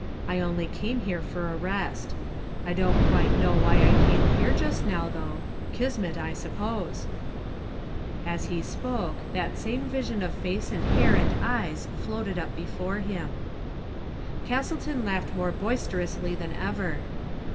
I only came here for a rest. I don't quite know why I came here just now though. Kismet, I suppose." Digitized by Google l8 THE FATE OF FEN ELLA. As he spoke that same vision of face and hair and eyes floated up before him. Castleton laughed more boisterously than ever.